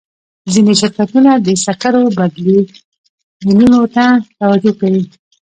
ځینې شرکتونه د سکرو بدیلونو ته توجه کوي.